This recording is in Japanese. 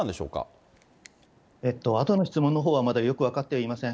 あとの質問のほうはまだよく分かっていません。